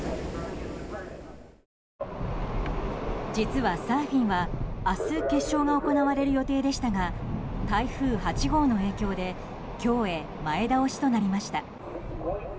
実はサーフィンは明日決勝が行われる予定でしたが台風８号の影響で今日へ前倒しとなりました。